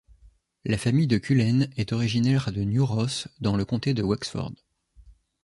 La famille de Cullen est originaire de New Ross dans le comté de Wexford.